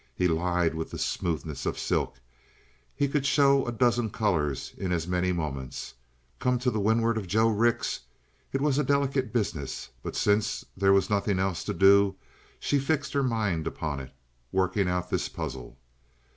He lied with the smoothness of silk. He could show a dozen colors in as many moments. Come to the windward of Joe Rix? It was a delicate business! But since there was nothing else to do, she fixed her mind upon it, working out this puzzle.